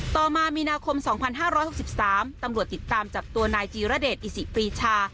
ต่อมามีนาคม๒๕๖๓ตำรวจติดตามจับตัวนายจีรเดชอิสิปรีชา